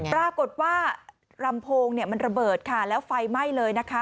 ปรากฏว่าลำโพงเนี่ยมันระเบิดค่ะแล้วไฟไหม้เลยนะคะ